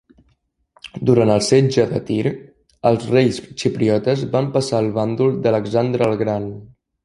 Durant el Setge de Tir, els reis xipriotes van passar al bàndol d'Alexandre el Gran.